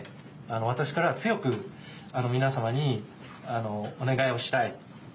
私からは強く皆さまにお願いをしたい。